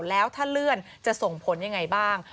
แล้วถ้าเลื่อนจะส่งผลยังไงบ้าง